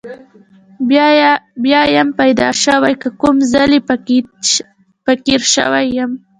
بیا یم پیدا شوی که کوم ځلې فقید شوی یم.